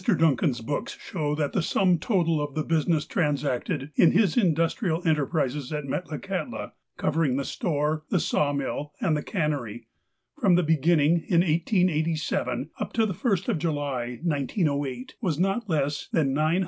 DUNCAN'S books show that the sum total of the business transacted iu his industrial enterprises at Metlakahtla, covering the store, the sawmill, and the cannery, from the beginning, in 1887, up to the first of July, 1908, was not less than $900,937.